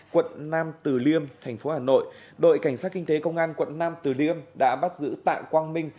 quận nam từ liêm thành phố hà nội đội cảnh sát kinh tế công an quận nam từ liêm đã bắt giữ tạ quang minh